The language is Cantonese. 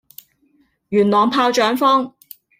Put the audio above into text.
元朗炮仗坊